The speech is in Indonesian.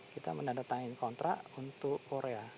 kita menandatangani kontrak untuk korea